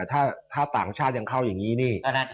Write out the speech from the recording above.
แต่ถ้าต่างชาติยังเข้าอย่างนี้